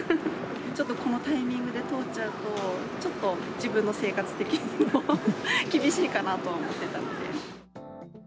ちょっとこのタイミングで通っちゃうと、ちょっと自分の生活的にも厳しいかなと思ってたので。